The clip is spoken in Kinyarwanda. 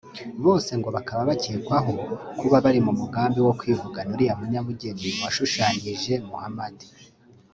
bose ngo bakaba bakekwaho kuba bari mu mugambi wo kwivugana uriya munyabugeni washushanyije Mohammad